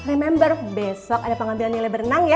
ingat besok ada pengambilan nilai berenang ya